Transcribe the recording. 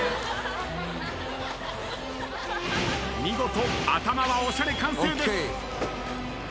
見事頭はおしゃれ完成です。